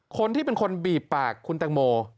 คนที่เป็นคนบีบปากคุณแตงโม